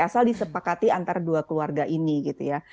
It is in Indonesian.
asal disepakati antara dua keluarga ini gitu ya